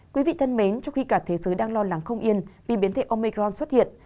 quý vị thân mến trong khi cả thế giới đang lo lắng không yên vì biến thể omicron xuất hiện